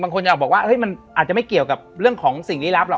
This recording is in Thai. จะบอกว่ามันอาจจะไม่เกี่ยวกับเรื่องของสิ่งลี้ลับหรอ